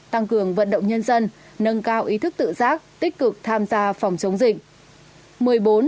tăng cường vận động nhân dân nâng cao ý thức tự giác tích cực tham gia phòng chống dịch